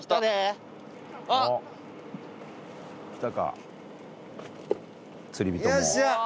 来たか釣り人も。